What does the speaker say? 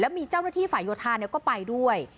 มีเจ้าหน้าที่ฝ่ายโยธาก็ไปด้วย